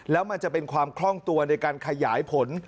แล้วมันจะเป็นความคล่องตัวในการขยายผล